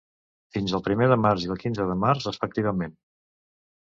Fins el primer de març i el quinze de març, respectivament.